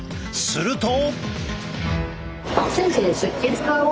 すると。